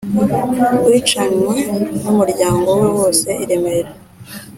wicanwe n'umuryango we wose i remera;